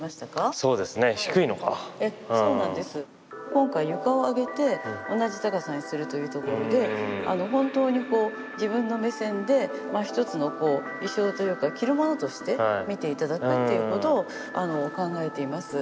今回床を上げて同じ高さにするというところで本当に自分の目線で一つの衣装というか着るものとして見て頂くということを考えています。